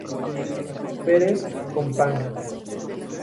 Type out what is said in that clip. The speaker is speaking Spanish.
Perez Companc.